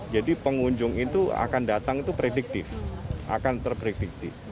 jadi pengunjung itu akan datang itu prediktif akan terprediktif